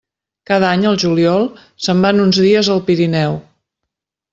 Cada any, al juliol, se'n van uns dies al Pirineu.